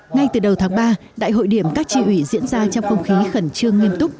ngay từ đầu tháng ba đại hội điểm các tri ủy diễn ra trong không khí khẩn trương nghiêm túc